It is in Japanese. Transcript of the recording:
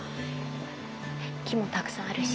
木もたくさんあるし。